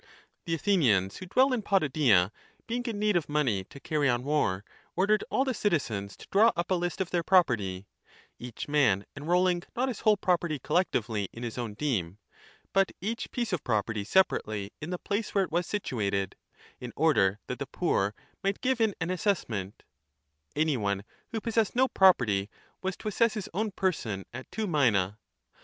The Athenians who dwell in Potidaea, being in need of money to carry on war, ordered all the citizens to draw 20 up a list of their property, each man enrolling not his whole property collectively in his own deme, but each piece of property separately in the place where it was situated, in order that the poor might give in an assessment ; any one who possessed no property was to assess his own person at two minae.